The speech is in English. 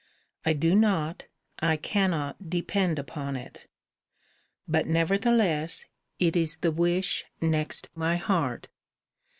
I do not, I cannot depend upon it. But nevertheless, it is the wish next my heart.